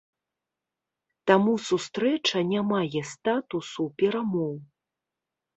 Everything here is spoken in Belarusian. Таму сустрэча не мае статусу перамоў.